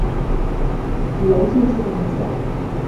娄敬说的没错。